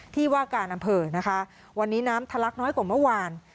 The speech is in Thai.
ที่ว่าการอำเภอนะคะวันนี้น้ำทะลักน้อยกว่าเมื่อวาน